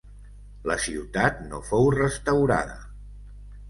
La ciutat no fou restaurada.